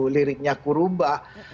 liriknya aku rubah